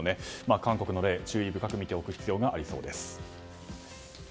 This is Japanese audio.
韓国の例は注意深く見ておく必要がありそうです。